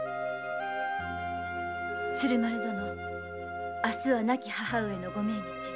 鶴丸殿明日は亡き母上のご命日。